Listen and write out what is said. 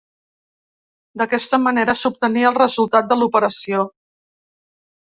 D'aquesta manera s'obtenia el resultat de l'operació.